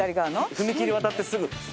踏切渡ってすぐです。